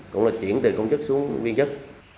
cũng là chuyển từ công chức xuống viên chức